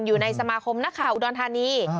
อยู่ในสมาคมนักข่าวอุดรธานี